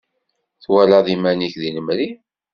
Twalaḍ iman-ik deg lemri.